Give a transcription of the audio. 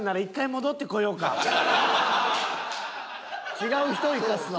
違う人行かすわ。